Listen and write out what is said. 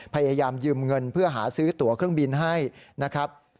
พยายามยืมเงินเพื่อหาซื้อตัวเครื่องบินให้นะครับ